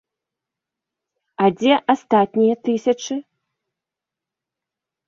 А дзе астатнія тысячы?